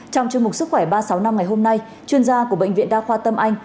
trong chương mục sức khỏe ba trăm sáu mươi năm ngày hôm nay chuyên gia của bệnh viện đa khoa tâm anh